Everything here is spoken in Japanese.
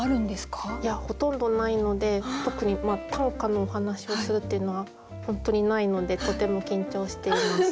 いやほとんどないので特に短歌のお話をするっていうのは本当にないのでとても緊張しています。